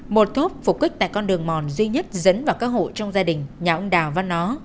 một thốp phục kích tại con đường mòn duy nhất dẫn vào các hộ trong gia đình nhà ông đào văn nó